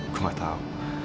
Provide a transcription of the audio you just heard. gue gak tau